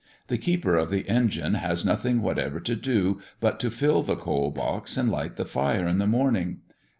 The keeper of the engine has nothing whatever to do but to fill the coal box and light the fire in the morning.